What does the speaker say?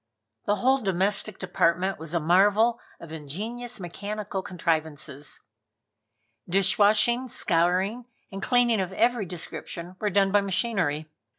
The whole domestic department was a marvel of ingenious mechanical contrivances. Dishwashing, scouring and cleaning of every description were done by machinery.